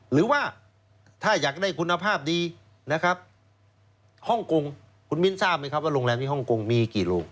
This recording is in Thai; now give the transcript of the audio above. หรือว่าถ้าอยากได้คุณภาพดีนะครับฮ่องกงคุณมิ้นทราบไหมครับว่าโรงแรมที่ฮ่องกงมีกี่โรง